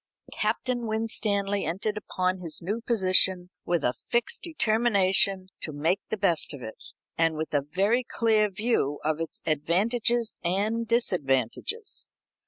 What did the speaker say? Captain Winstanley entered upon his new position with a fixed determination to make the best of it, and with a very clear view of its advantages and disadvantages.